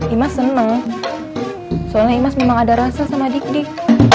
imas senang soalnya imas memang ada rasa sama dik dik